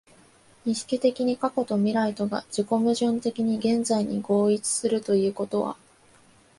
意識的に過去と未来とが自己矛盾的に現在に合一するということは、